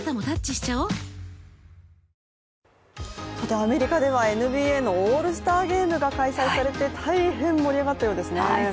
アメリカではＮＢＡのオールスターゲームが開催されて大変盛り上がったようですね。